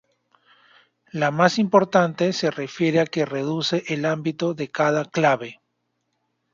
La más importante se refiere a que reduce el ámbito de cada clave.